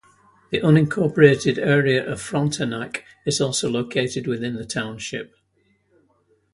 The unincorporated area of Frontenac is also located within the township.